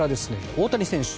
大谷選手。